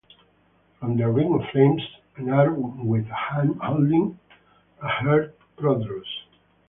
From the ring of flames an arm with a hand holding a heart protrudes.